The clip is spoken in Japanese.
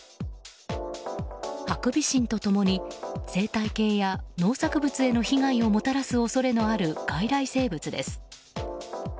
ハクビシンと共に生態系や農作物への被害をもたらす恐れのある外来生物です。